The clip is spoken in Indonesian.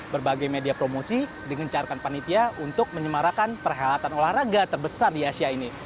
berbagai media promosi dengan carakan panitia untuk menyemarakan perhelatan olahraga terbesar di asia ini